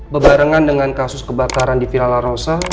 berbarengan dengan kasus kebakaran di villa la rosa